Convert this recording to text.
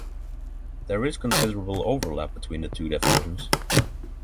There is considerable overlap between the two definitions.